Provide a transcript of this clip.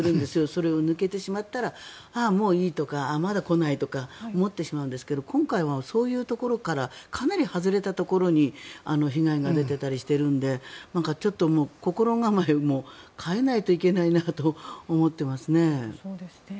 それを抜けてしまったらああ、もういいとかまだ来ないとか思ってしまうんですが今回はそういうところからかなり外れたところに被害が出ていたりしているのでちょっと心構えも変えないといけないなと思っていますね。